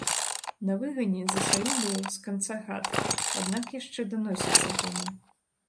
На выгане, за сялібаю, з канца хат, аднак, яшчэ даносіцца гоман.